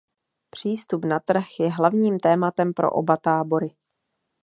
Přístup na trh je hlavním tématem pro oba tábory.